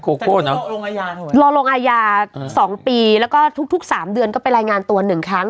โคโภเนอะรอลงอายาทำไมรอลงอายาสองปีแล้วก็ทุกทุกสามเดือนก็ไปรายงานตัวหนึ่งครั้ง